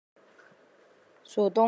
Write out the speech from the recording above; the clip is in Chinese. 属东广州。